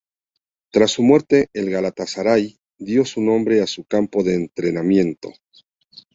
Tras su muerte el Galatasaray dio su nombre a su campo de entrenamiento.